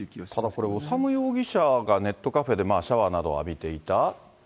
ただこれ、修容疑者がネットカフェでシャワーなどを浴びていた。